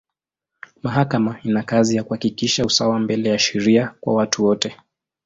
Mahakama ina kazi ya kuhakikisha usawa mbele ya sheria kwa watu wote.